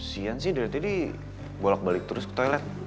si iyan sih dari tadi bolak balik terus ke toilet